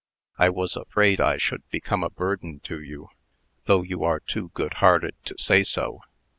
I was afraid I should become a burden to you; though you are too good hearted to say so.